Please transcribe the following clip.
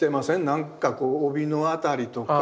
なんかこう帯の辺りとか。